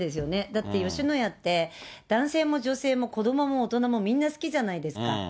だって吉野家って、男性も女性も子どもも大人も、みんな好きじゃないですか。